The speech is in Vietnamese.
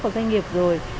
của doanh nghiệp rồi